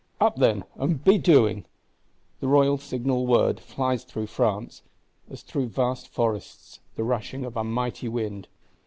Up, then, and be doing! The royal signal word flies through France, as through vast forests the rushing of a mighty wind.